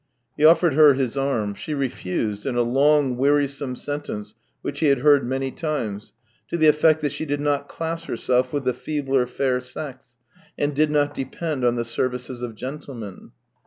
He offered her his arm; she refused, in a long, wearisome sentence which he had heard many times, to the effect that she did not class herself with the feebler fair sex, and did not depend on the services of gentlemen.